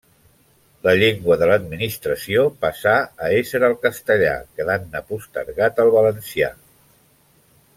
La llengua de l'administració passà a esser el castellà, quedant-ne postergat el valencià.